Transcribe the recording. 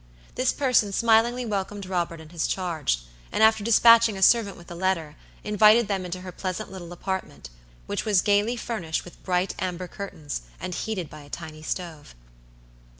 This person smilingly welcome Robert and his charge: and after dispatching a servant with the letter, invited them into her pleasant little apartment, which was gayly furnished with bright amber curtains and heated by a tiny stove.